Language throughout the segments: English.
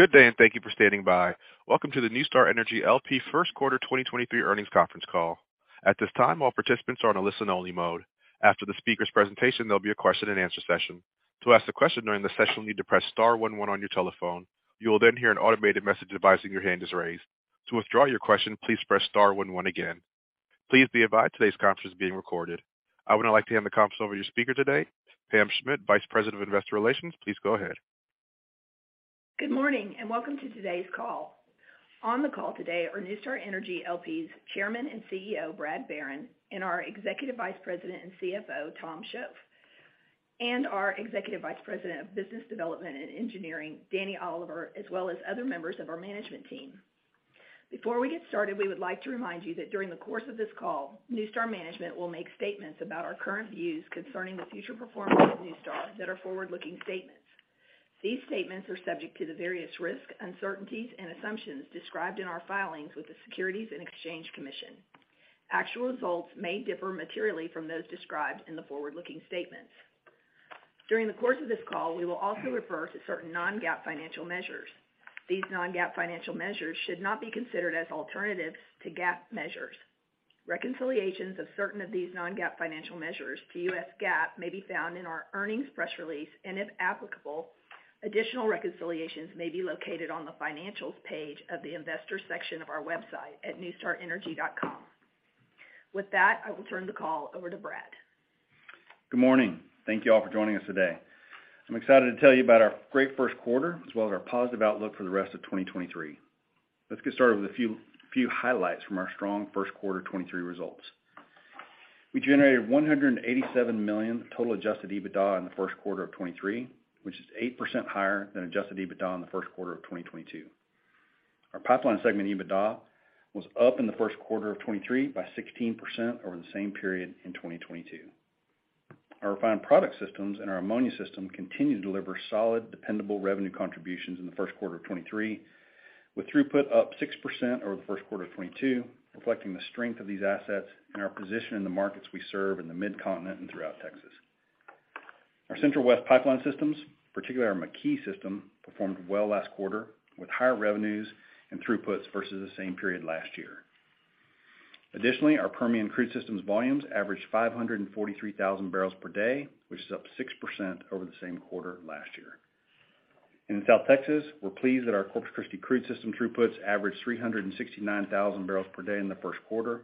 Good day. Thank you for standing by. Welcome to the NuStar Energy L.P. First Quarter 2023 Earnings Conference Call. At this time, all participants are on a listen only mode. After the speaker's presentation, there'll be a question and answer session. To ask a question during the session, you'll need to press star one one on your telephone. You will hear an automated message advising your hand is raised. To withdraw your question, please press star one one again. Please be advised today's conference is being recorded. I would now like to hand the conference over to your speaker today, Pam Schmidt, Vice President of Investor Relations. Please go ahead. Good morning. Welcome to today's call. On the call today are NuStar Energy L.P.'s Chairman and CEO, Brad Barron, and our Executive Vice President and CFO, Tom Shoaf, and our Executive Vice President of Business Development and Engineering, Danny Oliver, as well as other members of our management team. Before we get started, we would like to remind you that during the course of this call, NuStar management will make statements about our current views concerning the future performance of NuStar that are forward-looking statements. These statements are subject to the various risks, uncertainties, and assumptions described in our filings with the Securities and Exchange Commission. Actual results may differ materially from those described in the forward-looking statements. During the course of this call, we will also refer to certain non-GAAP financial measures. These non-GAAP financial measures should not be considered as alternatives to GAAP measures. Reconciliations of certain of these non-GAAP financial measures to U.S. GAAP may be found in our earnings press release, and if applicable, additional reconciliations may be located on the financials page of the investor section of our website at nustarenergy.com. With that, I will turn the call over to Brad. Good morning. Thank you all for joining us today. I'm excited to tell you about our great first quarter, as well as our positive outlook for the rest of 2023. Let's get started with a few highlights from our strong first quarter 2023 results. We generated $187 million total adjusted EBITDA in the first quarter of 2023, which is 8% higher than adjusted EBITDA in the first quarter of 2022. Our pipeline segment EBITDA was up in the first quarter of 2023 by 16% over the same period in 2022. Our refined product systems and our ammonia system continued to deliver solid, dependable revenue contributions in the first quarter of 2023, with throughput up 6% over the first quarter of 2022, reflecting the strength of these assets and our position in the markets we serve in the Mid-Continent and throughout Texas. Our Central West pipeline systems, particularly our McKee system, performed well last quarter, with higher revenues and throughputs versus the same period last year. Our Permian crude systems volumes averaged 543,000 barrels per day, which is up 6% over the same quarter last year. In South Texas, we're pleased that our Corpus Christi crude system throughputs averaged 369,000 barrels per day in the first quarter,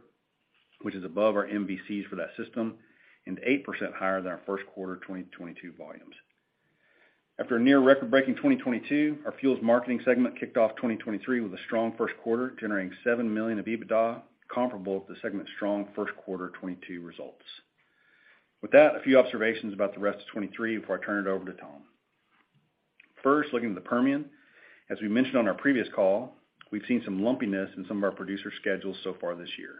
which is above our MBCs for that system and 8% higher than our first quarter 2022 volumes. After a near record-breaking 2022, our fuels marketing segment kicked off 2023 with a strong first quarter, generating $7 million of EBITDA, comparable to segment's strong first quarter 2022 results. With that, a few observations about the rest of 2023 before I turn it over to Tom. First, looking at the Permian, as we mentioned on our previous call, we've seen some lumpiness in some of our producer schedules so far this year.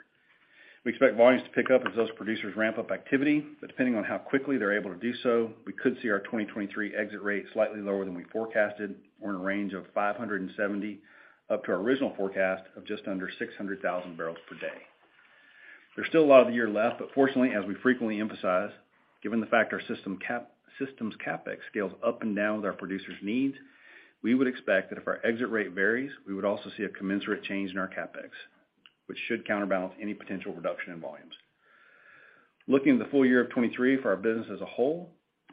We expect volumes to pick up as those producers ramp up activity, depending on how quickly they're able to do so, we could see our 2023 exit rate slightly lower than we forecasted, or in a range of 570 up to our original forecast of just under 600,000 barrels per day. There's still a lot of the year left. Fortunately, as we frequently emphasize, given the fact our systems CapEx scales up and down with our producers' needs, we would expect that if our exit rate varies, we would also see a commensurate change in our CapEx, which should counterbalance any potential reduction in volumes. Looking at the full year of 2023 for our business as a whole,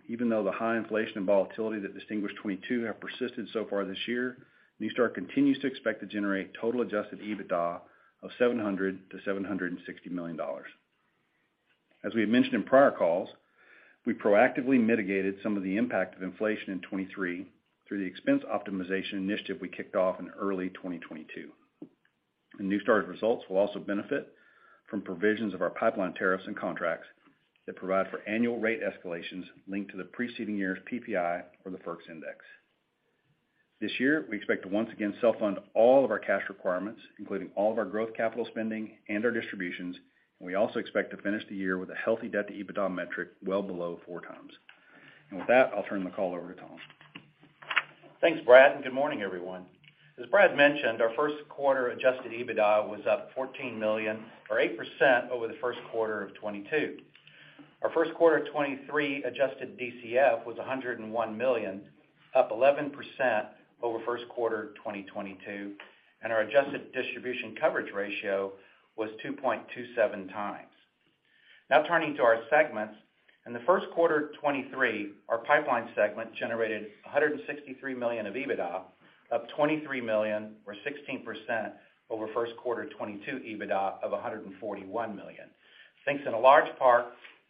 even though the high inflation and volatility that distinguished 2022 have persisted so far this year, NuStar continues to expect to generate total adjusted EBITDA of $700 million-760 million. We had mentioned in prior calls, we proactively mitigated some of the impact of inflation in 2023 through the expense optimization initiative we kicked off in early 2022. NuStar's results will also benefit from provisions of our pipeline tariffs and contracts that provide for annual rate escalations linked to the preceding year's PPI or the FERC index. This year, we expect to once again self-fund all of our cash requirements, including all of our growth capital spending and our distributions, and we also expect to finish the year with a healthy debt-to-EBITDA metric well below four times. With that, I'll turn the call over to Tom. Thanks, Brad, and good morning, everyone. As Brad mentioned, our first quarter adjusted EBITDA was up $14 million or 8% over the first quarter of 2022. Our first quarter of 2023 adjusted DCF was $101 million, up 11% over first quarter of 2022, and our adjusted distribution coverage ratio was 2.27 times. Turning to our segments. In the first quarter of 2023, our pipeline segment generated $163 million of EBITDA, up $23 million or 16% over first quarter 2022 EBITDA of $141 million. Thanks in a large part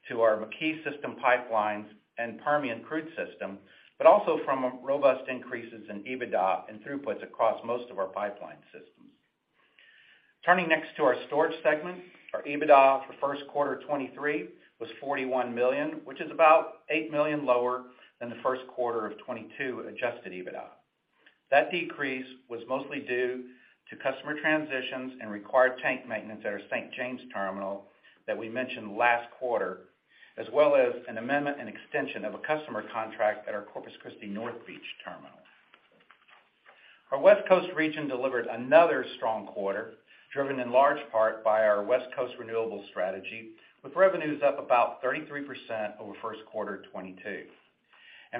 to our McKee system pipelines and Permian crude system, but also from robust increases in EBITDA and throughputs across most of our pipeline systems. Turning next to our storage segment, our EBITDA for first quarter of 2023 was $41 million, which is about $8 million lower than the first quarter of 2022 adjusted EBITDA. That decrease was mostly due to customer transitions and required tank maintenance at our St. James terminal that we mentioned last quarter, as well as an amendment and extension of a customer contract at our Corpus Christi North Beach terminal. Our West Coast region delivered another strong quarter, driven in large part by our West Coast renewables strategy, with revenues up about 33% over first quarter 2022.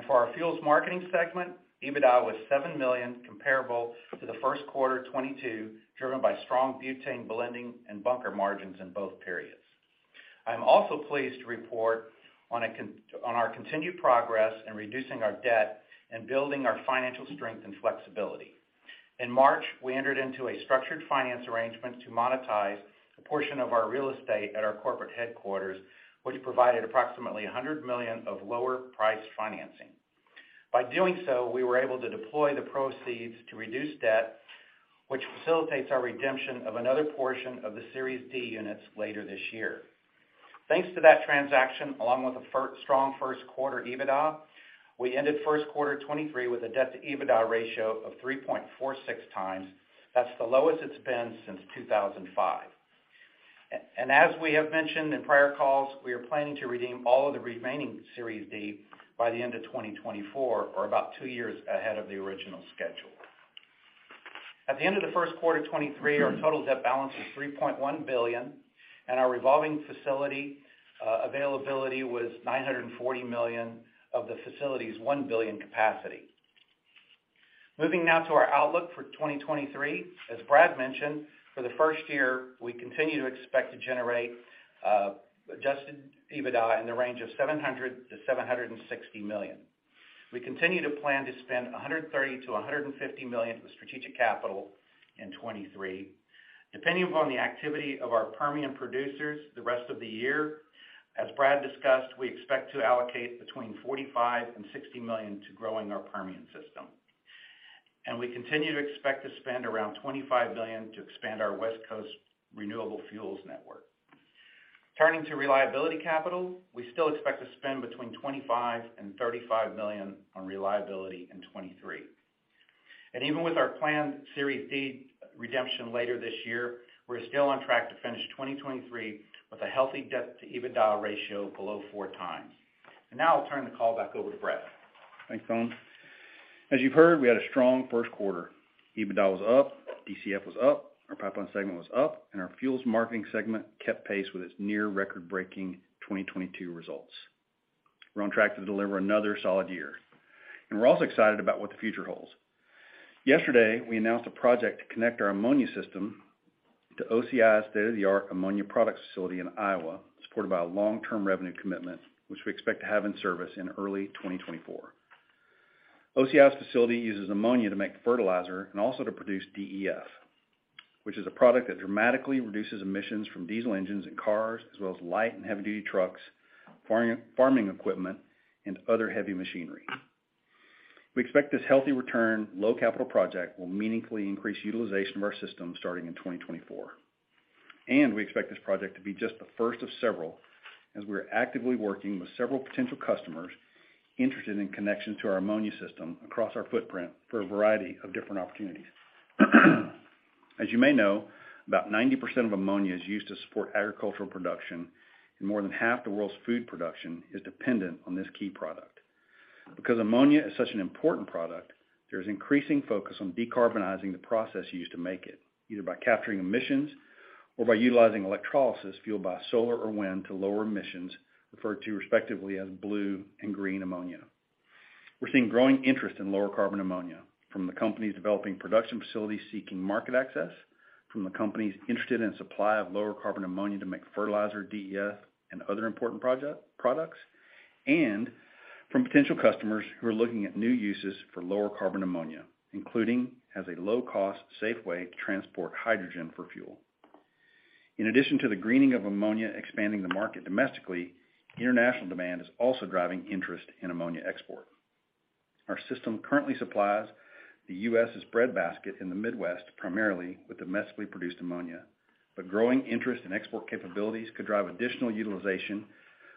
For our fuels marketing segment, EBITDA was $7 million comparable to the first quarter 2022, driven by strong butane blending and bunker margins in both periods. I'm also pleased to report on our continued progress in reducing our debt and building our financial strength and flexibility. In March, we entered into a structured finance arrangement to monetize a portion of our real estate at our corporate headquarters, which provided approximately $100 million of lower priced financing. By doing so, we were able to deploy the proceeds to reduce debt, which facilitates our redemption of another portion of the Series D units later this year. Thanks to that transaction, along with a strong first quarter EBITDA, we ended first quarter 2023 with a debt-to-EBITDA ratio of 3.46 times. That's the lowest it's been since 2005. As we have mentioned in prior calls, we are planning to redeem all of the remaining Series D by the end of 2024 or about two years ahead of the original schedule. At the end of the first quarter 2023, our total debt balance was $3.1 billion, and our revolving facility availability was $940 million of the facility's $1 billion capacity. Moving now to our outlook for 2023. As Brad mentioned, for the first year, we continue to expect to generate adjusted EBITDA in the range of $700 million-760 million. We continue to plan to spend $130 million-150 million for strategic capital in 2023. Depending upon the activity of our Permian producers the rest of the year, as Brad discussed, we expect to allocate between $45 million and $60 million to growing our Permian system. We continue to expect to spend around $25 billion to expand our West Coast renewable fuels network. Turning to reliability capital, we still expect to spend between $25 million-35 million on reliability in 2023. Even with our planned Series D redemption later this year, we're still on track to finish 2023 with a healthy debt-to-EBITDA ratio below 4 times. Now I'll turn the call back over to Brad. Thanks, Tom. As you've heard, we had a strong first quarter. EBITDA was up, DCF was up, our pipeline segment was up, and our fuels marketing segment kept pace with its near record-breaking 2022 results. We're on track to deliver another solid year, and we're also excited about what the future holds. Yesterday, we announced a project to connect our ammonia system to OCI's state-of-the-art ammonia product facility in Iowa, supported by a long-term revenue commitment, which we expect to have in service in early 2024. OCI's facility uses ammonia to make fertilizer and also to produce DEF, which is a product that dramatically reduces emissions from diesel engines in cars as well as light and heavy duty trucks, farming equipment, and other heavy machinery. We expect this healthy return, low capital project will meaningfully increase utilization of our system starting in 2024. We expect this project to be just the first of several as we are actively working with several potential customers interested in connection to our ammonia system across our footprint for a variety of different opportunities. As you may know, about 90% of ammonia is used to support agricultural production, and more than half the world's food production is dependent on this key product. Because ammonia is such an important product, there is increasing focus on decarbonizing the process used to make it, either by capturing emissions or by utilizing electrolysis fueled by solar or wind to lower emissions, referred to respectively as blue and green ammonia. We're seeing growing interest in lower carbon ammonia from the companies developing production facilities seeking market access, from the companies interested in supply of lower carbon ammonia to make fertilizer, DEF, and other important products, and from potential customers who are looking at new uses for lower carbon ammonia, including as a low-cost, safe way to transport hydrogen for fuel. In addition to the greening of ammonia expanding the market domestically, international demand is also driving interest in ammonia export. Our system currently supplies the U.S.'s breadbasket in the Midwest, primarily with domestically produced ammonia. Growing interest in export capabilities could drive additional utilization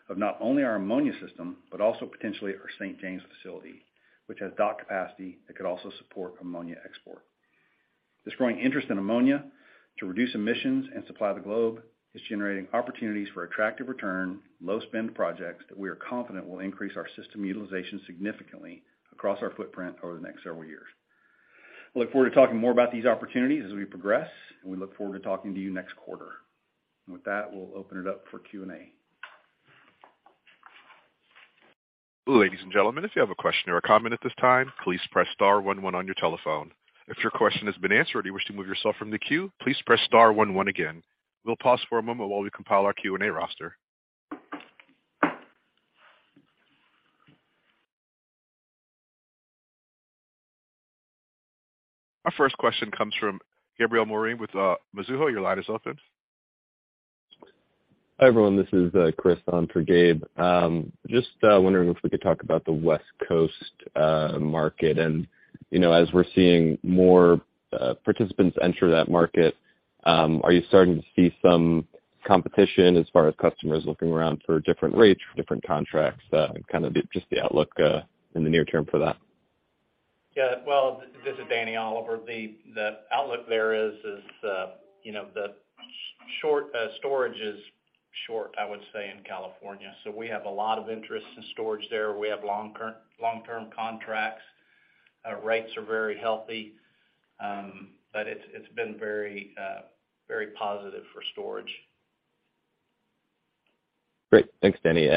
of not only our ammonia system, but also potentially our St. James facility, which has dock capacity that could also support ammonia export. This growing interest in ammonia to reduce emissions and supply the globe is generating opportunities for attractive return, low spend projects that we are confident will increase our system utilization significantly across our footprint over the next several years. We look forward to talking more about these opportunities as we progress, and we look forward to talking to you next quarter. With that, we'll open it up for Q&A. Ladies and gentlemen, if you have a question or a comment at this time, please press star one one on your telephone. If your question has been answered and you wish to move yourself from the queue, please press star one one again. We'll pause for a moment while we compile our Q&A roster. Our first question comes from Gabriel Moreen with Mizuho. Your line is open. Hi, everyone. This is Chris on for Gabe. Just wondering if we could talk about the West Coast market. You know, as we're seeing more participants enter that market, are you starting to see some competition as far as customers looking around for different rates, for different contracts? Just the outlook in the near term for that. Yeah. Well, this is Danny Oliver. The outlook there is, you know, the short storage is short, I would say, in California. We have a lot of interest in storage there. We have long-term contracts. Rates are very healthy. It's been very, very positive for storage. Great. Thanks, Danny.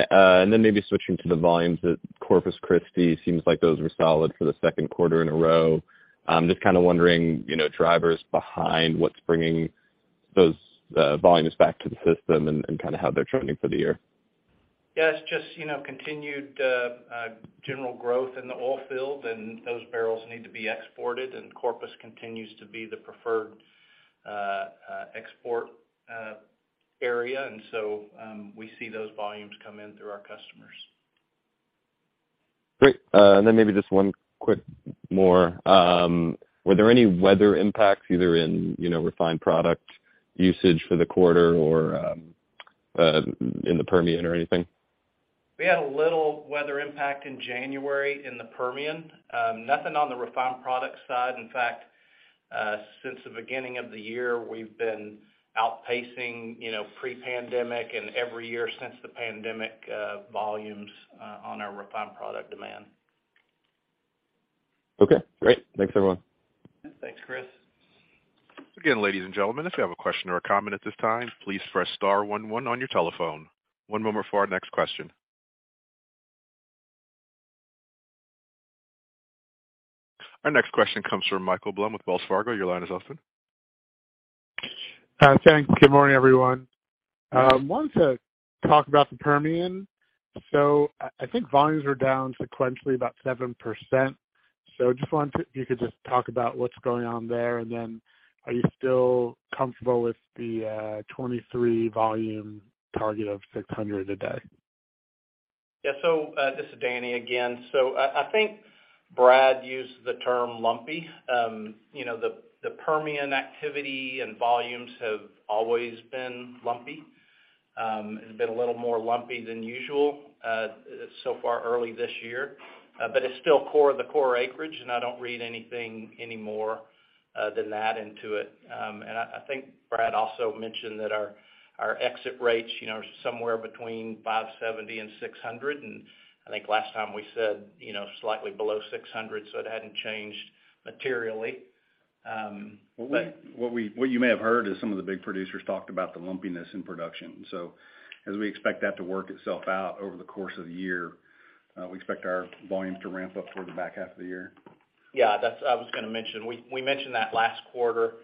Maybe switching to the volumes at Corpus Christi, seems like those were solid for the second quarter in a row. I'm just kind of wondering, you know, drivers behind what's bringing those volumes back to the system and kind of how they're trending for the year? Yeah, it's just, you know, continued, general growth in the oil field, and those barrels need to be exported, and Corpus continues to be the preferred, export, area. We see those volumes come in through our customers. Great. Maybe just one quick more. Were there any weather impacts either in, you know, refined product usage for the quarter or, in the Permian or anything? We had a little weather impact in January in the Permian. Nothing on the refined product side. In fact, since the beginning of the year, we've been outpacing, you know, pre-pandemic and every year since the pandemic, volumes on our refined product demand. Okay, great. Thanks, everyone. Thanks, Chris. Again, ladies and gentlemen, if you have a question or a comment at this time, please press star one one on your telephone. One moment for our next question. Our next question comes from Michael Blum with Wells Fargo. Your line is open. Thanks. Good morning, everyone. Wanted to talk about the Permian. I think volumes are down sequentially about 7%. Just wanted to talk about what's going on there. Are you still comfortable with the 2023 volume target of 600 a day? Yeah. This is Danny again. I think Brad used the term lumpy. You know, the Permian activity and volumes have always been lumpy. It's been a little more lumpy than usual so far early this year. It's still core of the core acreage, and I don't read anything any more than that into it. I think Brad also mentioned that our exit rates, you know, are somewhere between 570 and 600. I think last time we said, you know, slightly below 600. It hadn't changed materially. What you may have heard is some of the big producers talked about the lumpiness in production. As we expect that to work itself out over the course of the year, we expect our volumes to ramp up toward the back half of the year. Yeah, I was gonna mention. We mentioned that last quarter.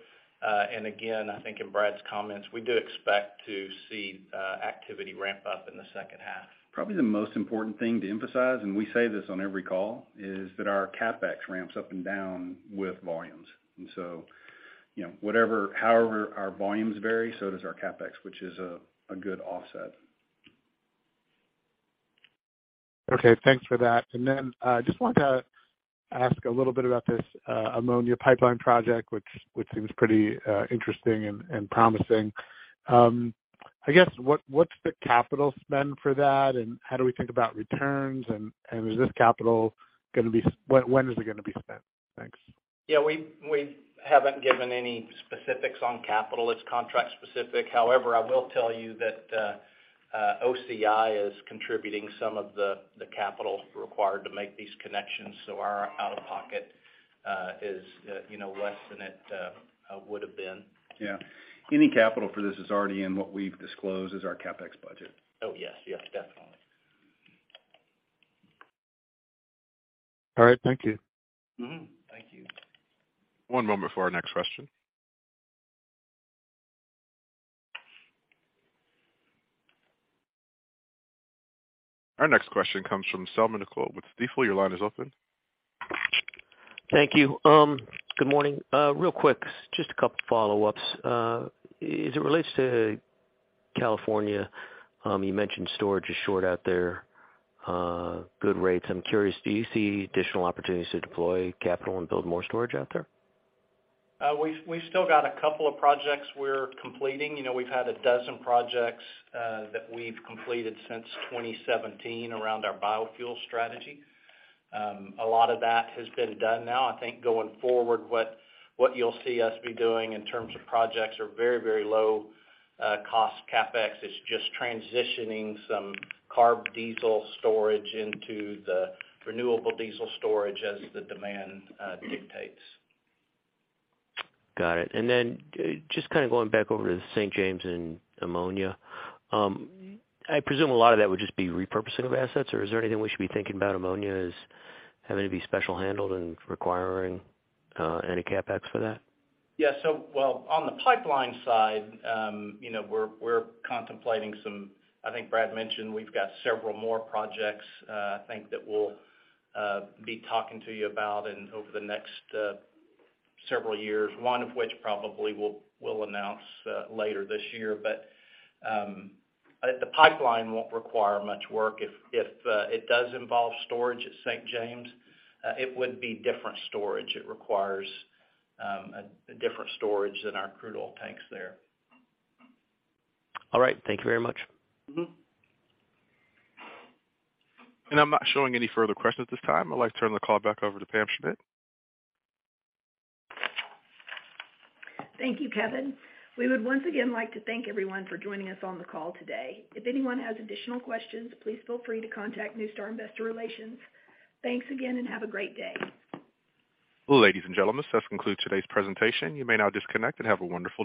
Again, I think in Brad's comments, we do expect to see activity ramp up in the second half. Probably the most important thing to emphasize, and we say this on every call, is that our CapEx ramps up and down with volumes. You know, however our volumes vary, so does our CapEx, which is a good offset. Okay. Thanks for that. Then, just wanted to ask a little bit about this ammonia pipeline project, which seems pretty interesting and promising. I guess, what's the capital spend for that, and how do we think about returns, and when is it gonna be spent? Thanks. Yeah, we haven't given any specifics on capital. It's contract specific. However, I will tell you that OCI is contributing some of the capital required to make these connections, our out-of-pocket is, you know, less than it would've been. Yeah. Any capital for this is already in what we've disclosed as our CapEx budget. Oh, yes. Yes, definitely. All right. Thank you. Thank you. One moment for our next question. Our next question comes from Selman Akyol with Stifel. Your line is open. Thank you. Good morning. Real quick, just a couple follow-ups. As it relates to California, you mentioned storage is short out there, good rates. I'm curious, do you see additional opportunities to deploy capital and build more storage out there? We've still got a couple of projects we're completing. You know, we've had a dozen projects that we've completed since 2017 around our biofuel strategy. A lot of that has been done now. I think going forward, what you'll see us be doing in terms of projects are very low cost CapEx. It's just transitioning some CARB diesel storage into the renewable diesel storage as the demand dictates. Got it. Just kind of going back over to St. James and ammonia. I presume a lot of that would just be repurposing of assets, or is there anything we should be thinking about ammonia as having to be special handled and requiring any CapEx for that? Yeah. Well, on the pipeline side, you know, we're contemplating I think Brad mentioned we've got several more projects, I think that we'll be talking to you about and over the next several years, one of which probably we'll announce later this year. The pipeline won't require much work. If it does involve storage at St. James, it would be different storage. It requires a different storage than our crude oil tanks there. All right. Thank you very much. Mm-hmm. I'm not showing any further questions at this time. I'd like to turn the call back over to Pam Schmidt. Thank you, Kevin. We would once again like to thank everyone for joining us on the call today. If anyone has additional questions, please feel free to contact NuStar Investor Relations. Thanks again, and have a great day. Ladies and gentlemen, this does conclude today's presentation. You may now disconnect and have a wonderful day.